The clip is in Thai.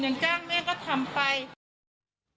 ยังจ้างแม่ก็ทำไป